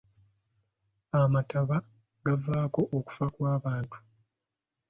Amataba gavaako okufa kw'abantu.